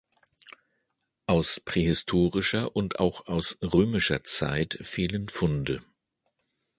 Aus prähistorischer und auch aus römischer Zeit fehlen Funde.